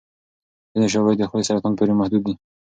ځینې شواهد د خولې سرطان پورې محدود دي.